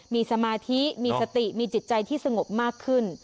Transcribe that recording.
มีสมาธิมีสติมีจิตใจที่สงบมากขึ้น